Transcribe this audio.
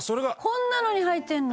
「こんなのに入ってるの？」